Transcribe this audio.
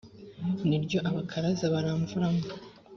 ni ryo abakaraza baramvuramo